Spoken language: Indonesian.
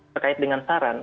berkait dengan saran